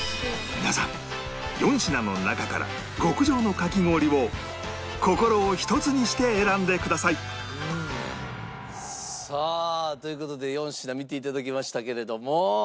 皆さん４品の中から極上のかき氷を心をひとつにして選んでくださいさあという事で４品見て頂きましたけれども。